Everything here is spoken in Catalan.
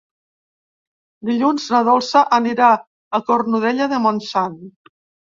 Dilluns na Dolça anirà a Cornudella de Montsant.